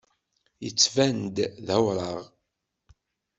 Yettban-d d awraɣ.